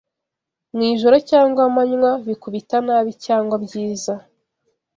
Mwijoro cyangwa amanywa bikubita nabi cyangwa byiza